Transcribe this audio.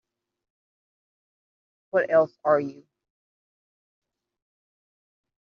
What else are you?